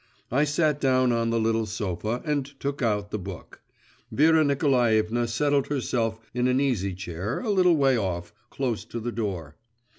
I sat down on the little sofa, and took out the book. Vera Nikolaevna settled herself in an easy chair, a little way off, close to the door.